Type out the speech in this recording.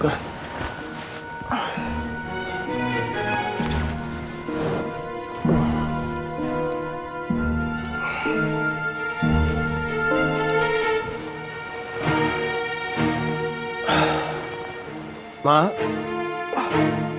karena dia lagi bodoh ke